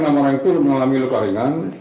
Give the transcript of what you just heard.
ya semuanya enam orang itu mengalami luka ringan